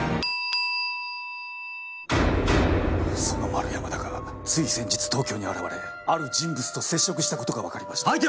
その丸山田がつい先日東京に現れある人物と接触した事がわかりました。